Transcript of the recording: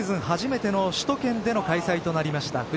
初めての首都圏での開催となりました。